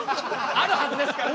あるはずですからね。